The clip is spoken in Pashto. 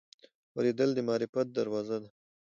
اورېدل د معرفت دروازه ده.